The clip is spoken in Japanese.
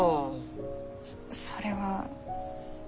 そそれは。